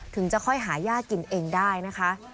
ถึงจะค่อยหาย่ากินเองได้นะคะ